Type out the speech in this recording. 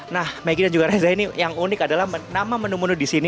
nah maggie dan juga reza ini yang unik adalah nama menu menu di sini